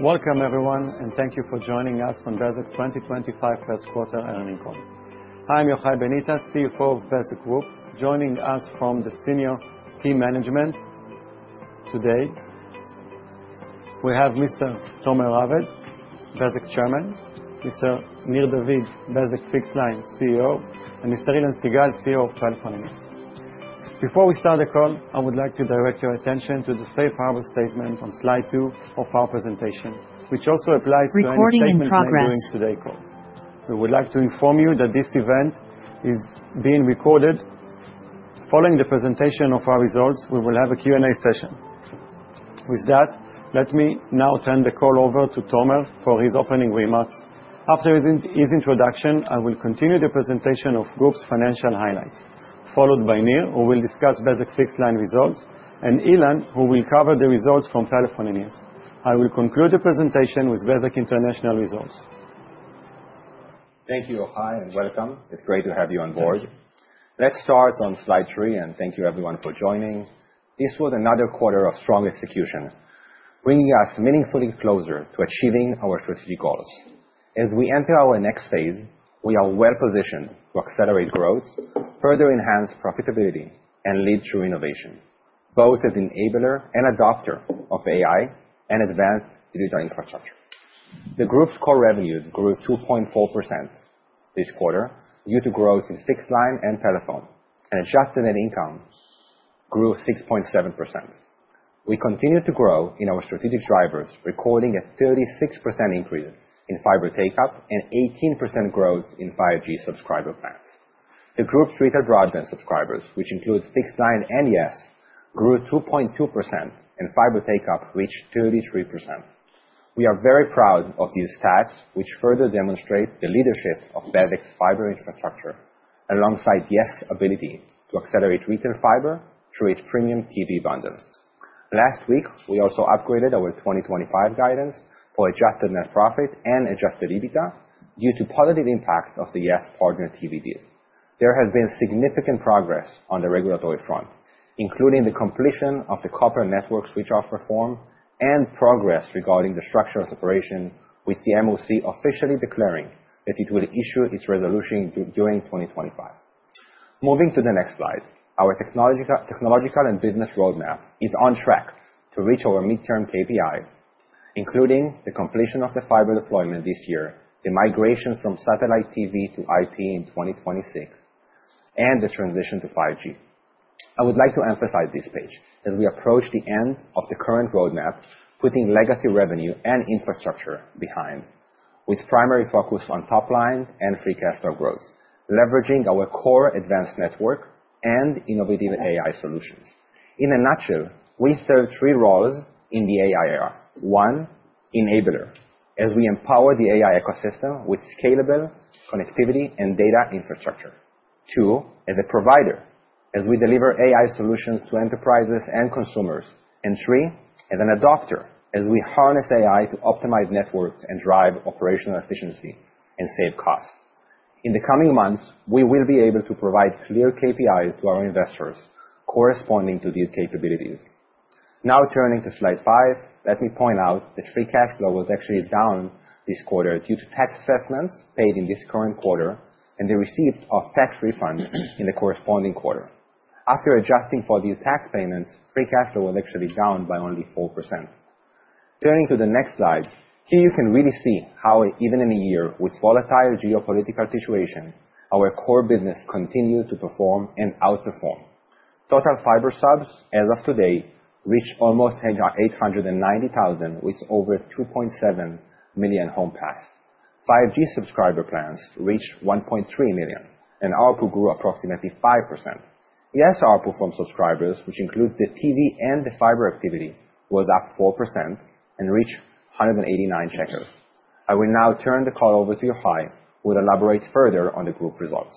Welcome, everyone, and thank you for joining us on Bezeq's first quarter 2025 Earnings Call. I'm Yohai Benita, CFO of Bezeq Group, joined by the senior management team today. We have Mr. Tomer Raved, Bezeq's Chairman, Mr. Nir David, Bezeq Fixed Line CEO, and Mr. Ilan Sigal, CEO of Pelephone. Before we start the call, I would like to direct your attention to the safe harbor statement on slide two of our presentation, which also applies to anything that we are doing today's call. We would like to inform you that this event is being recorded. Following the presentation of our results, we will have a Q&A session. With that, let me now turn the call over to Tomer for his opening remarks. After his introduction, I will continue the presentation of the group's financial highlights, followed by Nir, who will discuss Bezeq Fixed Line results, and Ilan, who will cover the results from Pelephone. I will conclude the presentation with Bezeq International results. Thank you, Yohai, and welcome. It's great to have you on board. Let's start on slide three, and thank you, everyone, for joining. This was another quarter of strong execution, bringing us meaningfully closer to achieving our strategic goals. As we enter our next phase, we are well positioned to accelerate growth, further enhance profitability, and lead through innovation, both as an enabler and adopter of AI and advanced digital infrastructure. The group's core revenues grew 2.4% this quarter due to growth in fixed line and Pelephone, and adjusted net income grew 6.7%. We continue to grow in our strategic drivers, recording a 36% increase in fiber take-up and 18% growth in 5G subscriber plans. The group's retail broadband subscribers, which include fixed line and yes, grew 2.2%, and fiber take-up reached 33%. We are very proud of these stats, which further demonstrate the leadership of Bezeq's fiber infrastructure alongside yes' ability to accelerate retail fiber through its premium TV bundle. Last week, we also upgraded our 2025 guidance for adjusted net profit and adjusted EBITDA due to the positive impact of the yes Partner TV deal. There has been significant progress on the regulatory front, including the completion of the copper network switch-off reform and progress regarding the structural separation, with the MOC officially declaring that it will issue its resolution during 2025. Moving to the next slide, our technological and business roadmap is on track to reach our midterm KPI, including the completion of the fiber deployment this year, the migration from satellite TV to IP in 2026, and the transition to 5G. I would like to emphasize this page as we approach the end of the current roadmap, putting legacy revenue and infrastructure behind, with primary focus on top line and Free Cash Flow growth, leveraging our core advanced network and innovative AI solutions. In a nutshell, we serve three roles in the AI era: one, enabler, as we empower the AI ecosystem with scalable connectivity and data infrastructure; two, as a provider, as we deliver AI solutions to enterprises and consumers; and three, as an adopter, as we harness AI to optimize networks and drive operational efficiency and save costs. In the coming months, we will be able to provide clear KPIs to our investors corresponding to these capabilities. Now, turning to slide five, let me point out that free cash flow was actually down this quarter due to tax assessments paid in this current quarter and the receipt of tax refunds in the corresponding quarter. After adjusting for these tax payments, free cash flow was actually down by only 4%. Turning to the next slide, here you can really see how, even in a year with volatile geopolitical situation, our core business continued to perform and outperform. Total fiber subs as of today reached almost 890,000, with over 2.7 million homes passed. 5G subscriber plans reached 1.3 million, and ARPU grew approximately 5%. yes, our ARPU from subscribers, which includes the TV and the fiber activity, was up 4% and reached 189. I will now turn the call over to Yohai, who will elaborate further on the group results.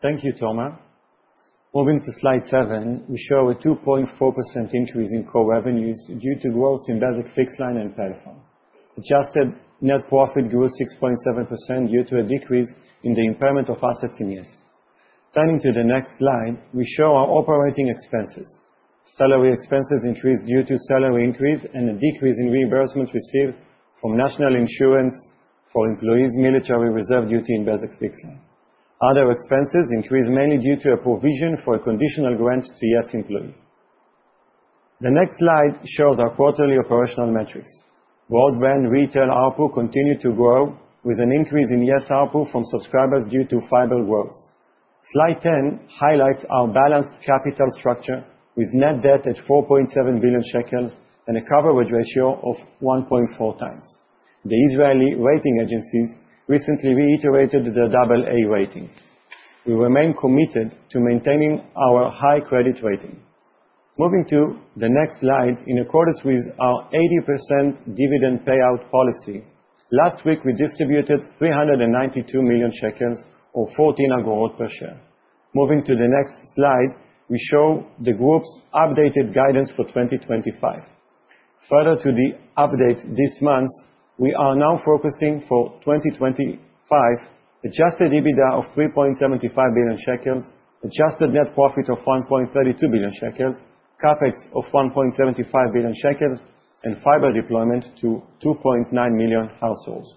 Thank you, Tomer. Moving to slide seven, we show a 2.4% increase in core revenues due to growth in Bezeq Fixed Line and Pelephone. Adjusted net profit grew 6.7% due to a decrease in the impairment of assets in yes. Turning to the next slide, we show our operating expenses. Salary expenses increased due to salary increase and a decrease in reimbursement received from National Insurance for employees' military reserve duty in Bezeq Fixed Line. Other expenses increased mainly due to a provision for a conditional grant to yes employees. The next slide shows our quarterly operational metrics. Broadband retail ARPU continued to grow, with an increase in yes ARPU from subscribers due to fiber growth. Slide 10 highlights our balanced capital structure with net debt at 4.7 billion shekels and a coverage ratio of 1.4 times. The Israeli rating agencies recently reiterated the AA ratings. We remain committed to maintaining our high credit rating. Moving to the next slide, in accordance with our 80% dividend payout policy, last week we distributed 392 million shekels, or 0.14 per share. Moving to the next slide, we show the group's updated guidance for 2025. Further to the update this month, we are now focusing for 2025, Adjusted EBITDA of 3.75 billion shekels, adjusted net profit of 1.32 billion shekels, Capex of 1.75 billion shekels, and fiber deployment to 2.9 million households.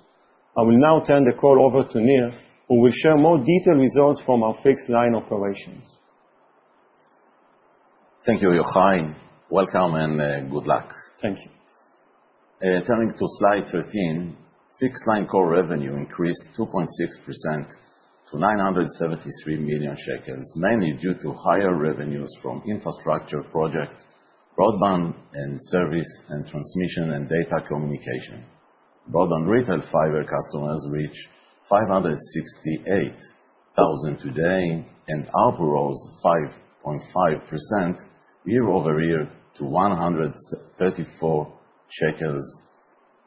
I will now turn the call over to Nir, who will share more detailed results from our fixed line operations. Thank you, Yohai. Welcome and good luck. Thank you. Turning to slide 13, Fixed Line core revenue increased 2.6% to 973 million shekels, mainly due to higher revenues from infrastructure projects, broadband and service and transmission and data communication. Broadband retail fiber customers reached 568,000 today and ARPU grew 5.5% year-over-year to 134 shekels .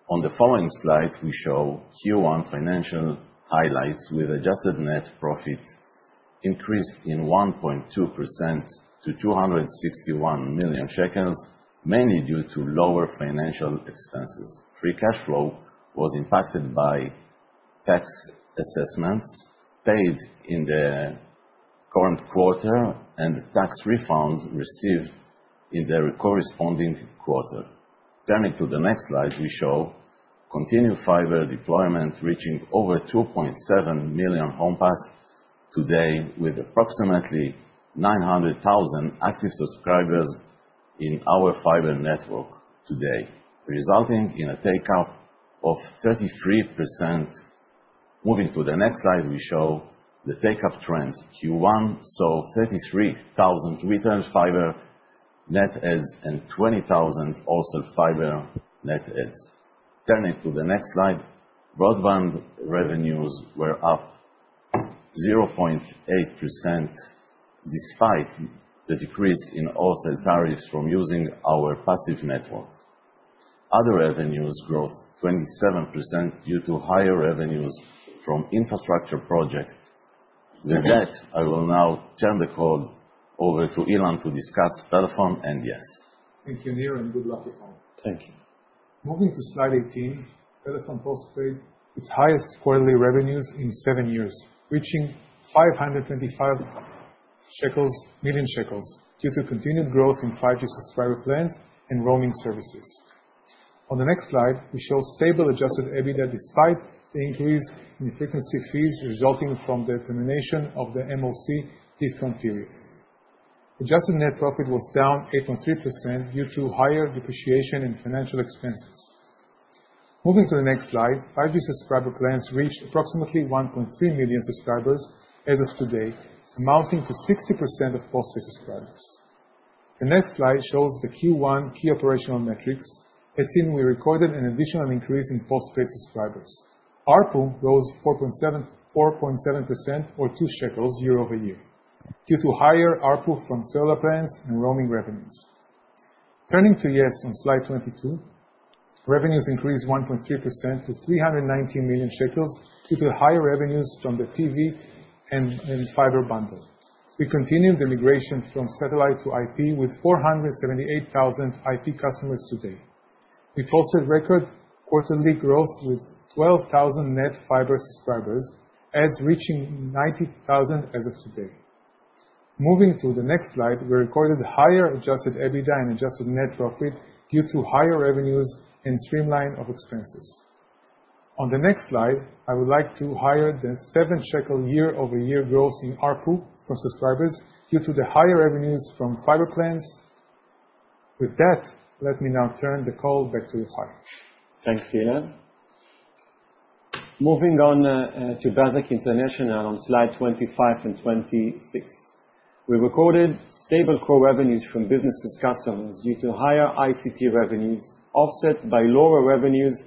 On the following slide, we show Q1 financial highlights with adjusted net profit increased by 1.2% to 261 million shekels, mainly due to lower financial expenses. Free cash flow was impacted by tax assessments paid in the current quarter and tax refunds received in the corresponding quarter. Turning to the next slide, we show continued fiber deployment reaching over 2.7 million homes passed today with approximately 900,000 active subscribers in our fiber network today, resulting in a take-up of 33%. Moving to the next slide, we show the take-up trends. Q1 saw 33,000 retail fiber net adds and 20,000 wholesale fiber net adds. Turning to the next slide, broadband revenues were up 0.8% despite the decrease in wholesale tariffs from using our passive network. Other revenues growth 27% due to higher revenues from infrastructure projects. With that, I will now turn the call over to Ilan to discuss Pelephone and yes. Thank you, Nir, and good luck, Yohai. Thank you. Moving to slide 18, Pelephone Postpaid, its highest quarterly revenues in seven years, reaching 525 million shekels due to continued growth in 5G subscriber plans and roaming services. On the next slide, we show stable adjusted EBITDA despite the increase in frequency fees resulting from the termination of the MOC fee exemption period. Adjusted net profit was down 8.3% due to higher depreciation and financial expenses. Moving to the next slide, 5G subscriber plans reached approximately 1.3 million subscribers as of today, amounting to 60% of Postpaid subscribers. The next slide shows the Q1 key operational metrics, as seen, we recorded an additional increase in Postpaid subscribers. ARPU rose 4.7%, or 2 shekels year-over-year, due to higher ARPU from 5G plans and roaming revenues. Turning to yes on slide 22, revenues increased 1.3% to 319 million shekels due to higher revenues from the TV and fiber bundle. We continued the migration from satellite to IP with 478,000 IP customers today. We posted record quarterly growth with 12,000 net fiber subscribers, and reaching 90,000 as of today. Moving to the next slide, we recorded higher Adjusted EBITDA and adjusted net profit due to higher revenues and streamline of expenses. On the next slide, I would like to highlight the 7 shekel year-over-year growth in ARPU from subscribers due to the higher revenues from fiber plans. With that, let me now turn the call back to Yohai. Thanks, Ilan. Moving on to Bezeq International on slide 25 and 26, we recorded stable core revenues from business customers due to higher ICT revenues offset by lower revenues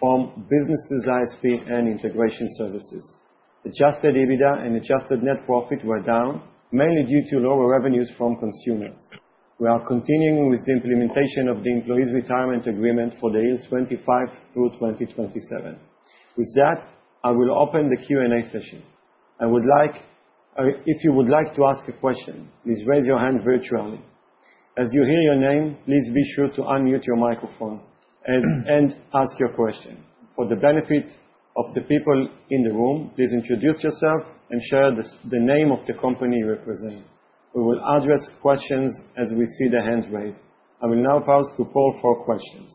from businesses' ISP and integration services. Adjusted EBITDA and adjusted net profit were down, mainly due to lower revenues from consumers. We are continuing with the implementation of the employees' retirement agreement for the years 2025 through 2027. With that, I will open the Q&A session. I would like, if you would like to ask a question, please raise your hand virtually. As you hear your name, please be sure to unmute your microphone and ask your question. For the benefit of the people in the room, please introduce yourself and share the name of the company you represent. We will address questions as we see the hands raised. I will now pass to Paul for questions.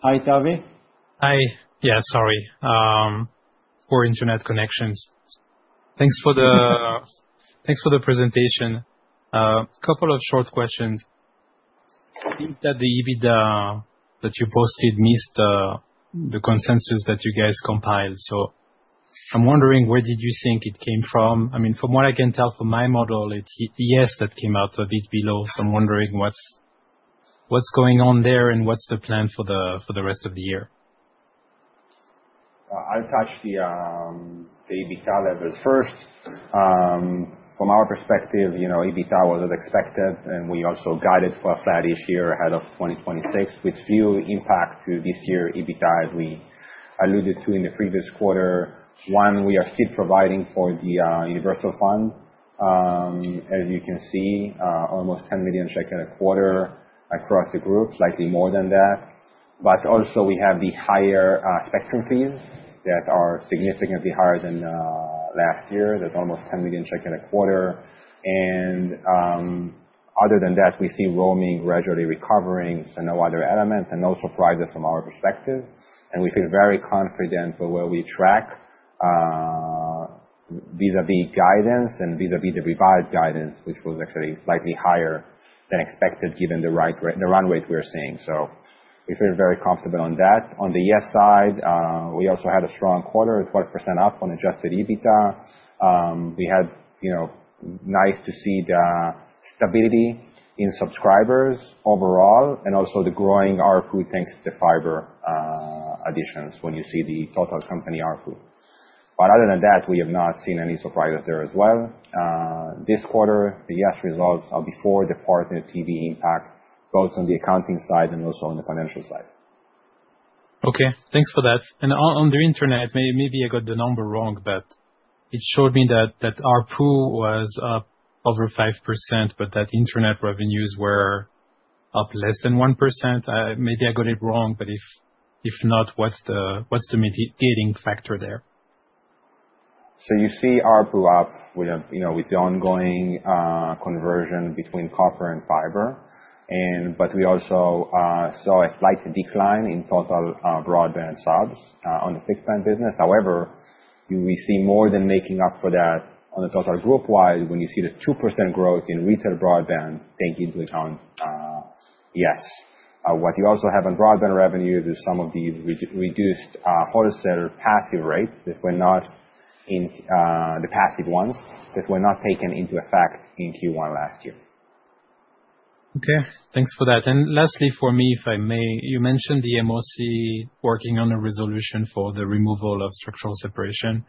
Hi, Tavy. Hi. Yeah, sorry. Poor internet connections. Thanks for the presentation. A couple of short questions. It seems that the EBITDA that you posted missed the consensus that you guys compiled. So I'm wondering where did you think it came from? I mean, from what I can tell from my model, it's yes that came out a bit below. So I'm wondering what's going on there and what's the plan for the rest of the year? I'll touch the EBITDA levels first. From our perspective, EBITDA was as expected, and we also guided for a flat EBITDA ahead of 2026 with few impacts to this year's EBITDA, as we alluded to in the previous quarter. One, we are still providing for the Universal Fund, as you can see, almost 10 million a quarter across the group, slightly more than that. But also, we have the higher spectrum fees that are significantly higher than last year. That's almost 10 million a quarter. And other than that, we see roaming gradually recovering. So no other elements and no surprises from our perspective. And we feel very confident for where we track vis-à-vis guidance and vis-à-vis the revised guidance, which was actually slightly higher than expected given the run rate we're seeing. So we feel very comfortable on that. On the yes side, we also had a strong quarter, 12% up on adjusted EBITDA. It was nice to see the stability in subscribers overall and also the growing output thanks to the fiber additions when you see the total company output. But other than that, we have not seen any surprises there as well. This quarter, the yes results are before the Partner TV impact, both on the accounting side and also on the financial side. Okay, thanks for that. And on the internet, maybe I got the number wrong, but it showed me that ARPU was up over 5%, but that internet revenues were up less than 1%. Maybe I got it wrong, but if not, what's the mitigating factor there? So you see ARPU up with the ongoing conversion between copper and fiber. But we also saw a slight decline in total broadband subs on the fixed plan business. However, we see more than making up for that on the total group-wide when you see the 2% growth in retail broadband taking into account yes. What you also have on broadband revenues is some of these reduced wholesale passive rates, if we're not in the passive ones, if we're not taken into effect in Q1 last year. Okay, thanks for that. And lastly, for me, if I may, you mentioned the MOC working on a resolution for the removal of structural separation.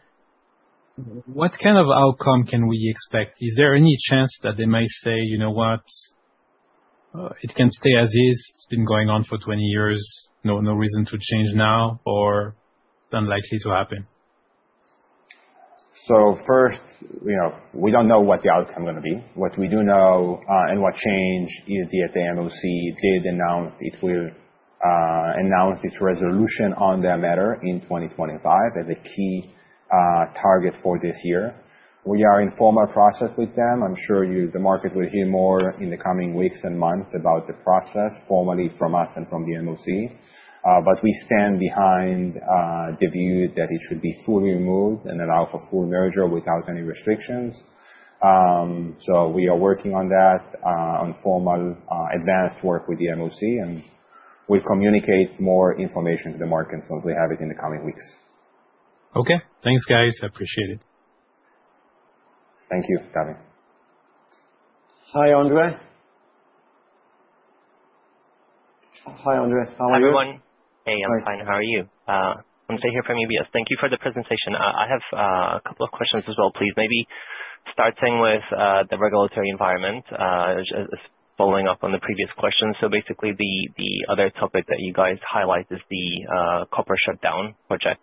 What kind of outcome can we expect? Is there any chance that they may say, you know what, it can stay as is. It's been going on for 20 years, no reason to change now, or it's unlikely to happen? So first, we don't know what the outcome is going to be. What we do know and what has changed is the MOC has announced it will announce its resolution on that matter in 2025 as a key target for this year. We are in formal process with them. I'm sure the market will hear more in the coming weeks and months about the process formally from us and from the MOC. But we stand behind the view that it should be fully removed and allow for full merger without any restrictions. So we are working on that, on formal advanced work with the MOC, and we'll communicate more information to the market once we have it in the coming weeks. Okay, thanks, guys. I appreciate it. Thank you, Tavy. Hi, Andre. Hi, everyone. Hey, I'm fine. How are you? I'm here from UBS. Thank you for the presentation. I have a couple of questions as well, please. Maybe starting with the regulatory environment, just following up on the previous question. So basically, the other topic that you guys highlight is the copper shutdown project.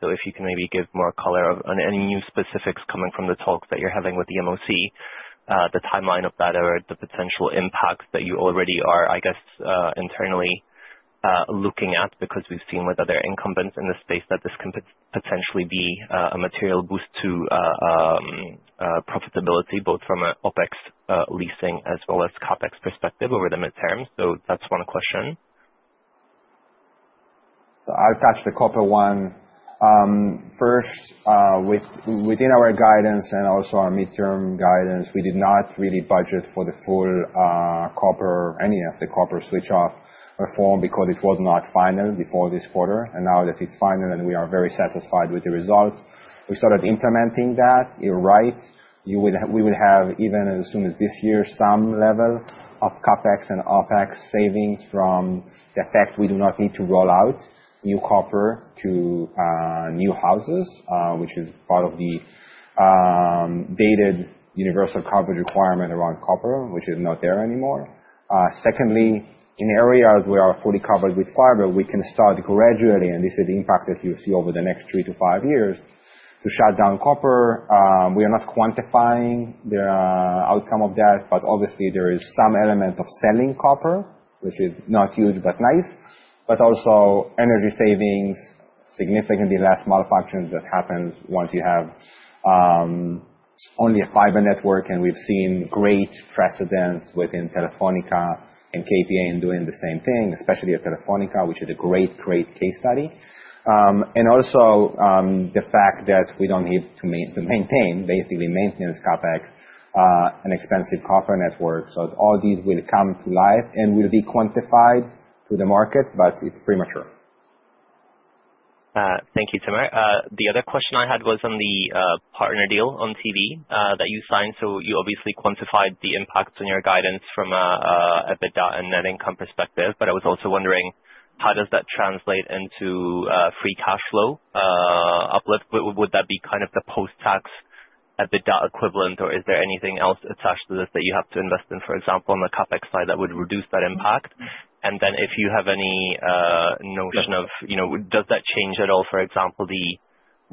So if you can maybe give more color on any new specifics coming from the talks that you're having with the MOC, the timeline of that, or the potential impacts that you already are, I guess, internally looking at, because we've seen with other incumbents in the space that this can potentially be a material boost to profitability, both from an OpEx leasing as well as CapEx perspective over the midterm. So that's one question. I'll touch the copper one. First, within our guidance and also our midterm guidance, we did not really budget for the full copper or any of the copper switch-off reform because it was not final before this quarter. Now that it's final and we are very satisfied with the results, we started implementing that. You're right. We would have, even as soon as this year, some level of CapEx and OpEx savings from the fact we do not need to roll out new copper to new houses, which is part of the dated universal coverage requirement around copper, which is not there anymore. Secondly, in areas where we are fully covered with fiber, we can start gradually, and this is the impact that you see over the next three to five years, to shut down copper. We are not quantifying the outcome of that, but obviously, there is some element of selling copper, which is not huge, but nice, but also energy savings, significantly less malfunctions that happen once you have only a fiber network. And we've seen great precedent within Telefónica and KPN doing the same thing, especially at Telefónica, which is a great, great case study. And also the fact that we don't need to maintain, basically maintenance Capex, an expensive copper network. So all these will come to life and will be quantified to the market, but it's premature. Thank you, Tomer. The other question I had was on the Partner deal on TV that you signed. So you obviously quantified the impacts in your guidance from a net income perspective, but I was also wondering, how does that translate into free cash flow uplift? Would that be kind of the post-tax EBITDA equivalent, or is there anything else attached to this that you have to invest in, for example, on the Capex side that would reduce that impact? And then if you have any notion of, does that change at all, for example, the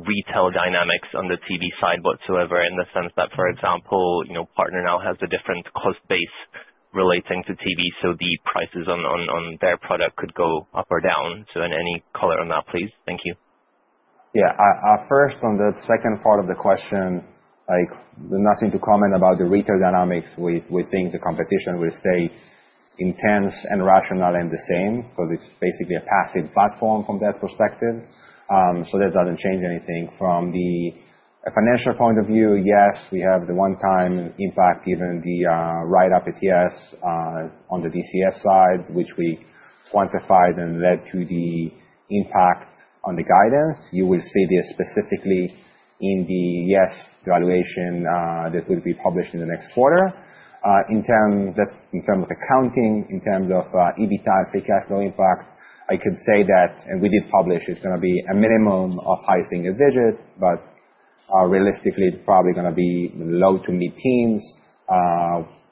retail dynamics on the TV side whatsoever in the sense that, for example, Partner now has a different cost base relating to TV, so the prices on their product could go up or down? So any color on that, please? Thank you. Yeah, first on the second part of the question, nothing to comment about the retail dynamics. We think the competition will stay intense and rational and the same because it's basically a passive platform from that perspective. So that doesn't change anything. From the financial point of view, yes, we have the one-time impact given the write-up at the yes on the DCF side, which we quantified and led to the impact on the guidance. You will see this specifically in the yes valuation that will be published in the next quarter. In terms of accounting, in terms of EBITDA and free cash flow impact, I could say that, and we did publish, it's going to be a minimum of high single digit, but realistically, it's probably going to be low to mid-teens.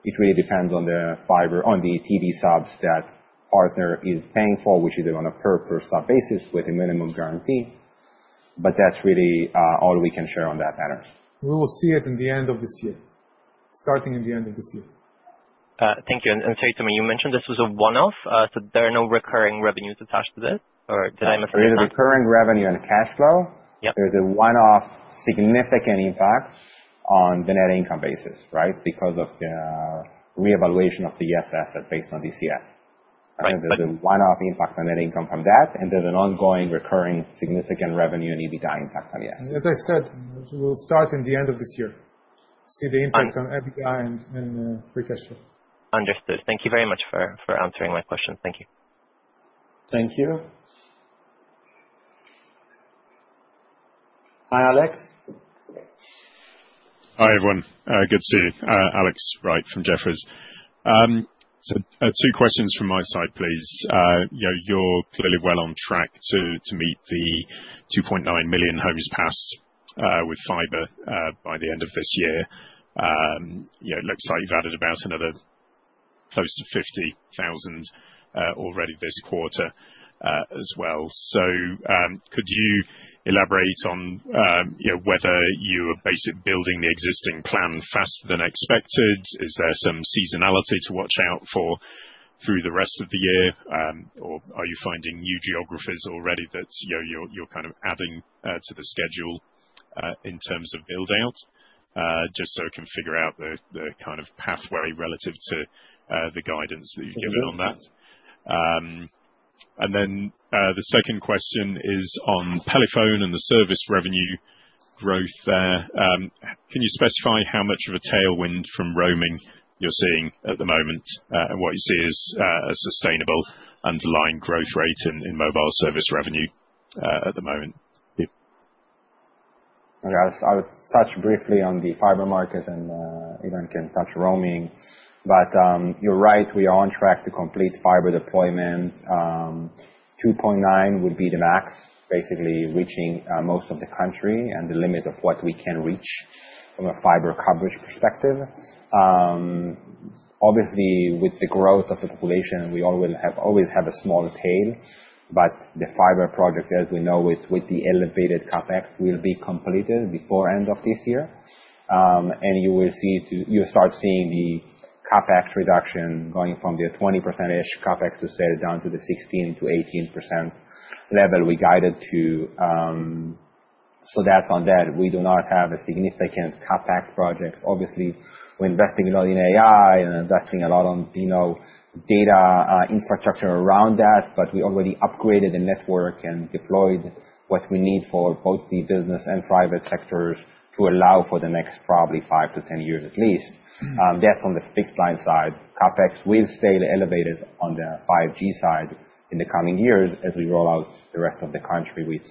It really depends on the TV subs that Partner is paying for, which is on a per-person basis with a minimum guarantee. But that's really all we can share on that matter. We will see it in the end of this year, starting in the end of this year. Thank you and sorry, Tomer, you mentioned this was a one-off, so there are no recurring revenues attached to this, or did I mishear that? There is recurring revenue and cash flow. There is a one-off significant impact on the net income basis, right, because of the reevaluation of the yes asset based on DCF. There's a one-off impact on net income from that, and there's an ongoing recurring significant revenue and EBITDA impact on yes. As I said, we'll start at the end of this year. See the impact on EBITDA and free cash flow. Understood. Thank you very much for answering my question. Thank you. Thank you. Hi, Alex. Hi, everyone. Good to see you. Alex Wright from Jefferies. So two questions from my side, please. You're clearly well on track to meet the 2.9 million homes passed with fiber by the end of this year. It looks like you've added about another close to 50,000 already this quarter as well. So could you elaborate on whether you are basically building the existing plan faster than expected? Is there some seasonality to watch out for through the rest of the year, or are you finding new geographies already that you're kind of adding to the schedule in terms of build-out? Just so I can figure out the kind of pathway relative to the guidance that you've given on that. And then the second question is on Pelephone and the service revenue growth there. Can you specify how much of a tailwind from roaming you're seeing at the moment and what you see as a sustainable underlying growth rate in mobile service revenue at the moment? I'll touch briefly on the fiber market, and Ilan can touch roaming. But you're right, we are on track to complete fiber deployment. 2.9 would be the max, basically reaching most of the country and the limit of what we can reach from a fiber coverage perspective. Obviously, with the growth of the population, we always have a smaller tail, but the fiber project, as we know, with the elevated Capex, will be completed before the end of this year, and you will start seeing the Capex reduction going from the 20%-ish Capex to set it down to the 16%-18% level we guided to, so that's on that. We do not have a significant Capex project. Obviously, we're investing a lot in AI and investing a lot on the data infrastructure around that, but we already upgraded the network and deployed what we need for both the business and private sectors to allow for the next probably five to 10 years at least. That's on the fixed line side. Capex will stay elevated on the 5G side in the coming years as we roll out the rest of the country with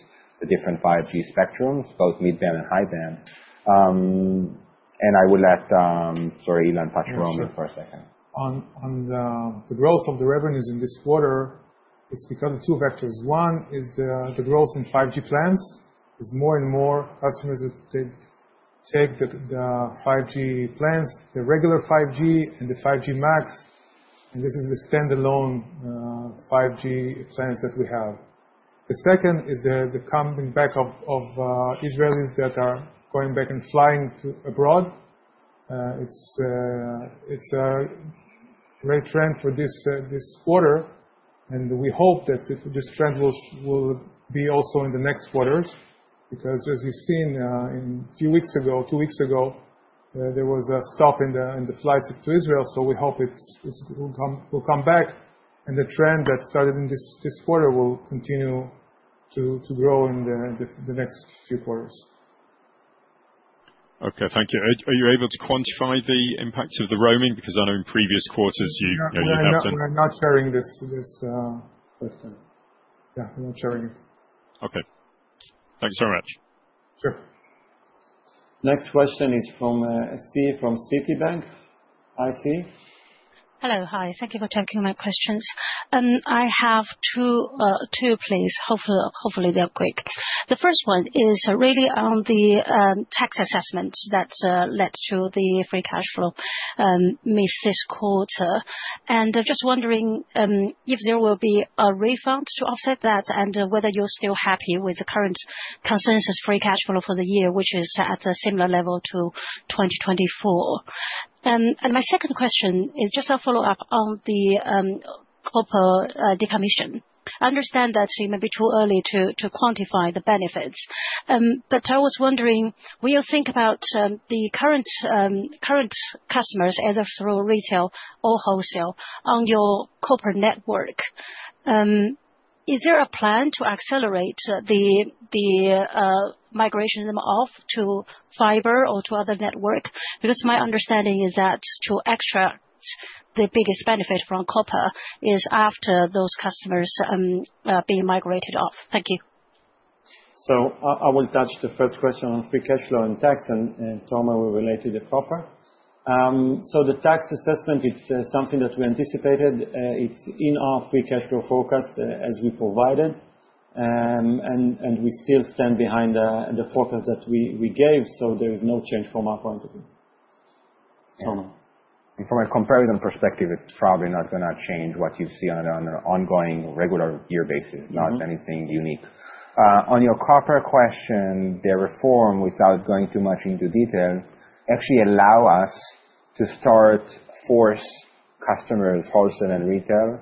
the different 5G spectrums, both mid-band and high-band. And I will let, sorry, Ilan touch roaming for a second. On the growth of the revenues in this quarter, it's because of two vectors. One is the growth in 5G plans. There's more and more customers that take the 5G plans, the regular 5G and the 5G Max. And this is the standalone 5G plans that we have. The second is the coming back of Israelis that are going back and flying abroad. It's a great trend for this quarter, and we hope that this trend will be also in the next quarters because, as you've seen a few weeks ago, two weeks ago, there was a stop in the flights to Israel. So we hope it will come back, and the trend that started in this quarter will continue to grow in the next few quarters. Okay, thank you. Are you able to quantify the impact of the roaming? Because I know in previous quarters you have done. I'm not sharing this question. Yeah, I'm not sharing it. Okay. Thanks very much. Sure. Next question is from C from Citibank. Hi C. Hello, hi. Thank you for taking my questions. I have two, please. Hopefully, they're quick. The first one is really on the tax assessment that led to the free cash flow miss this quarter, and just wondering if there will be a refund to offset that and whether you're still happy with the current consensus free cash flow for the year, which is at a similar level to 2024, and my second question is just a follow-up on the copper decommission. I understand that it may be too early to quantify the benefits, but I was wondering what you think about the current customers either through retail or wholesale on your copper network? Is there a plan to accelerate the migration off to fiber or to other network? Because my understanding is that to extract the biggest benefit from copper is after those customers being migrated off. Thank you. So I will touch the first question on free cash flow and tax and Tomer will relate to the copper. So the tax assessment, it's something that we anticipated. It's in our free cash flow forecast as we provided, and we still stand behind the forecast that we gave. So there is no change from our point of view. From a comparison perspective, it's probably not going to change what you see on an ongoing regular year basis, not anything unique. On your copper question, the reform, without going too much into detail, actually allows us to start forcing customers, wholesale and retail,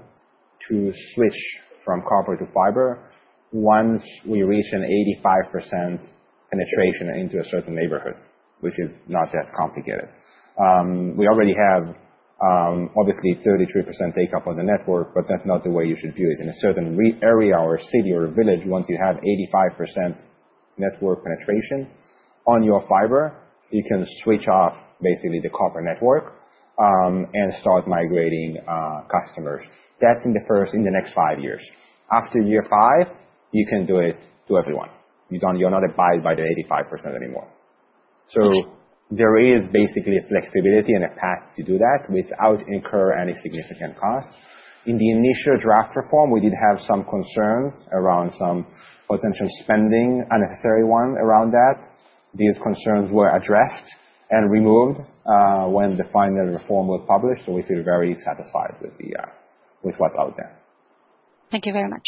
to switch from copper to fiber once we reach an 85% penetration into a certain neighborhood, which is not that complicated. We already have obviously 33% take-up on the network, but that's not the way you should view it. In a certain area or city or village, once you have 85% network penetration on your fiber, you can switch off basically the copper network and start migrating customers. That's in the next five years. After year five, you can do it to everyone. You're not abided by the 85% anymore. So there is basically a flexibility and a path to do that without incurring any significant cost. In the initial draft reform, we did have some concerns around some potential spending, unnecessary ones around that. These concerns were addressed and removed when the final reform was published. So we feel very satisfied with what's out there. Thank you very much.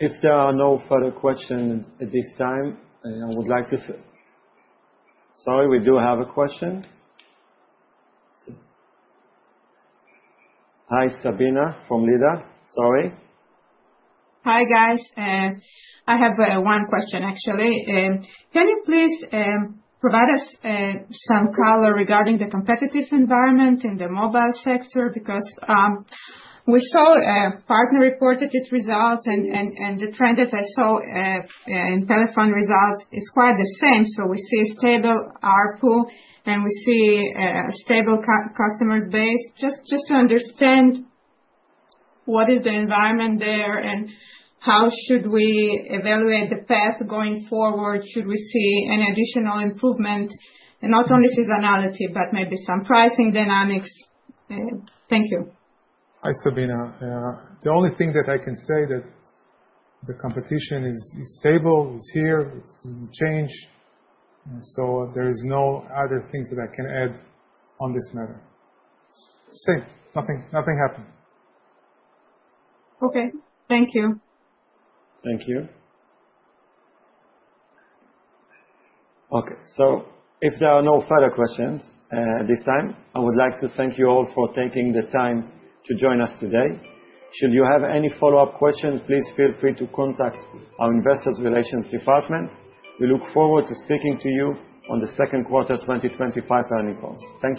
If there are no further questions at this time, I would like to, sorry, we do have a question. Hi, Sabina from Leader. Sorry. Hi guys. I have one question, actually. Can you please provide us some color regarding the competitive environment in the mobile sector? Because we saw Partner reported its results, and the trend that I saw in Pelephone results is quite the same. So we see a stable ARPU, and we see a stable customer base. Just to understand what is the environment there and how should we evaluate the path going forward? Should we see any additional improvement? And not only seasonality, but maybe some pricing dynamics. Thank you. Hi, Sabina. The only thing that I can say is that the competition is stable, is here, it's changed. So there are no other things that I can add on this matter. Same. Nothing happened. Okay. Thank you. Thank you. Okay. So if there are no further questions this time, I would like to thank you all for taking the time to join us today. Should you have any follow-up questions, please feel free to contact our Investor Relations Department. We look forward to speaking to you on the second quarter 2025 earnings calls. Thank you.